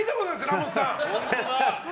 ラモスさん！